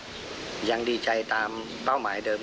และว่าดูสินค้าและว่าตรงที่เลี่ยง